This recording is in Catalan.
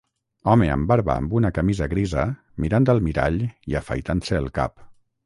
Home amb barba amb una camisa grisa mirant al mirall i afaitant-se el cap.